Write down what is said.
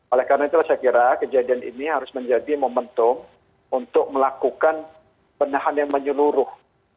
oleh karena itulah saya kira kejadian ini harus menjadi momentum untuk melakukan penahan yang menyeluruh